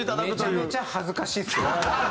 めちゃめちゃ恥ずかしいですよ。